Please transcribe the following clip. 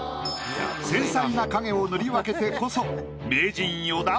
繊細な影を塗り分けてこそ名人４段。